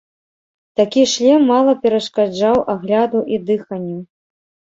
Такі шлем мала перашкаджаў агляду і дыханню.